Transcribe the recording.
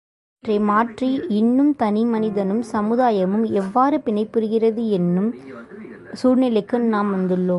இவற்றை மாற்றி இன்று தனி மனிதனும் சமுதாயமும் எவ்வாறு பிணைப்புறுகிறது என்று எண்ணும் சூழ்நிலைக்கு நாம் வந்துள்ளோம்.